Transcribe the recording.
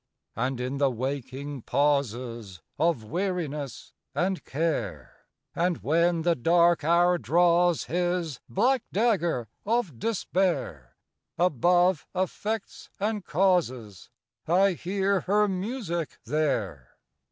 And in the waking pauses Of weariness and care, And when the dark hour draws his Black dagger of despair, Above effects and causes I hear her music there.